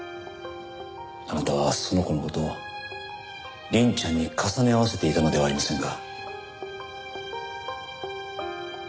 あなたはその子の事を凛ちゃんに重ね合わせていたのではありませんか？